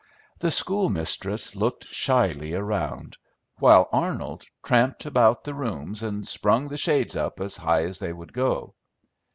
The schoolmistress looked shyly around, while Arnold tramped about the rooms and sprung the shades up as high as they would go.